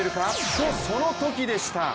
と、そのときでした。